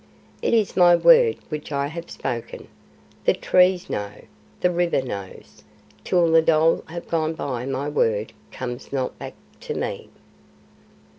"It is my Word which I have spoken. The Trees know, the River knows. Till the dhole have gone by my Word comes not back to me."